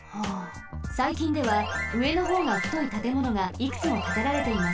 さいきんではうえのほうがふといたてものがいくつもたてられています。